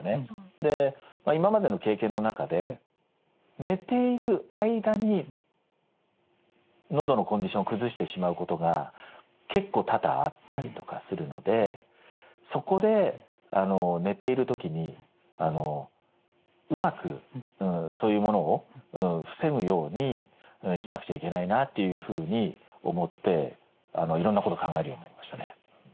で今までの経験の中で寝ている間にのどのコンディションを崩してしまうことが結構多々あったりとかするのでそこで寝ている時にうまくそういうものを防ぐようにしなくちゃいけないなっていうふうに思っていろんなこと考えるようになりましたね。